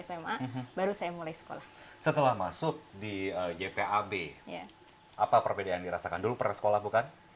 sma baru saya mulai sekolah setelah masuk di jpab apa perbedaan dirasakan dulu pernah sekolah bukan